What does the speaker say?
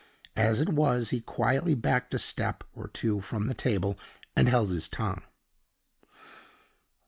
As it was, he quietly backed a step or two from the table, and held his tongue.